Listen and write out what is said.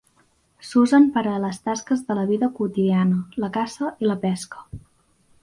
S'usen per a les tasques de la vida quotidiana, la caça i la pesca.